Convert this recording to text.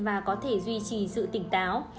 và có thể duy trì sự tỉnh táo